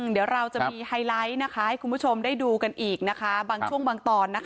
เดี๋ยวเราจะมีไฮไลท์ให้คุณผู้ชมได้ดูกันอีกนะคะบางช่วงบางตอน